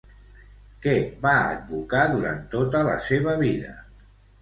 Què va advocar durant tota la seva vida?